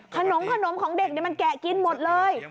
ขนมของเด็กมันแกะกินหมดเลย